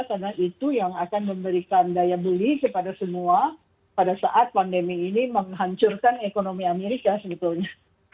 karena itu yang akan memberikan daya beli kepada semua pada saat pandemi ini menghancurkan ekonomi amerika sebetulnya